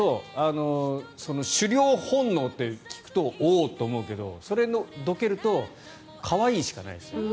狩猟本能って聞くとおお！って思うけどそれをどけると可愛いしかないですね。